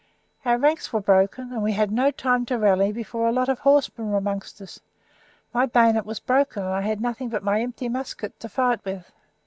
Our ranks were broken, and we had no time to rally before a lot of horsemen were among us. My bayonet was broken, and I had nothing but my empty musket to fight with.